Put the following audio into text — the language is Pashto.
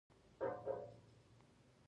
د راکټ مشهور اورګاډی یې جوړ کړ.